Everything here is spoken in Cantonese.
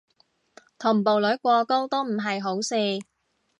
同步率過高都唔係好事